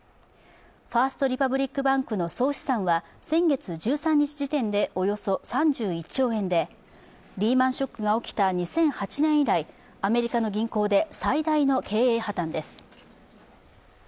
ファースト・リパブリック・バンクの総資産は先月１３日時点でおよそ３１兆円でリーマン・ショックが起きた２００８年以来、アメリカの銀行で最大の経営破綻です。